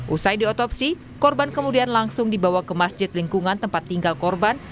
usai diotopsi korban kemudian langsung dibawa ke masjid lingkungan tempat tinggal korban